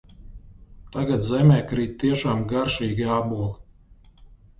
Tagad zemē krīt tiešām garšīgi āboli.